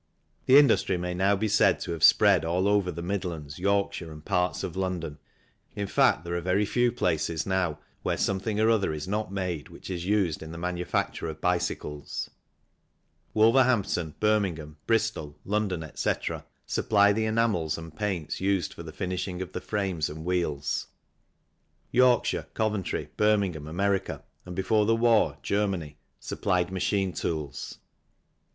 The industry may now be said to have spread all over the Midlands, Yorkshire, and parts of London. In fact there are very few places now where something or other is not made which is used in the manufacture of bicycles. Wolverhampton, Birmingham, Bristol, London, etc., supply the enamels and paints used for the finishing of the frames and wheels. Yorkshire, Coventry, Birmingham, America, and before the war, Germany, supplied machine tools.